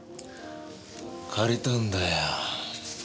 借りたんだよ